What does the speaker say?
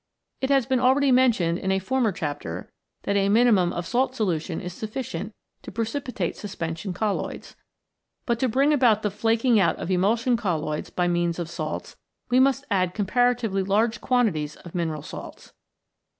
It has been already men tioned in a former chapter that a minimum of salt solution is sufficient to precipitate suspension col loids. But to bring about the flaking out of emulsion colloids by means of salts, we must add com paratively large quantities of mineral salts.